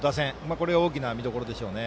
これは大きな見どころでしょうね。